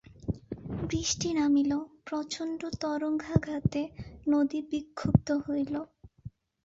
বৃষ্টি নামিল, প্রচণ্ড তরঙ্গাঘাতে নদী বিক্ষুব্ধ হইল।